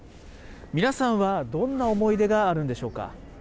皆さんはどんな思い出があるんでしょうか。